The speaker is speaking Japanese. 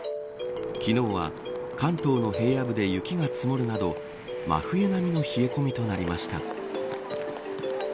昨日は関東の平野部で雪が積もるなど真冬並みの冷え込みとなりました。